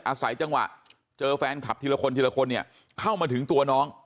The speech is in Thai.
อาศัยจังหวะเจอแฟนคลับทีละคนเข้ามาถึงตัวน้อง